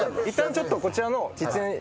一旦ちょっとこちらの。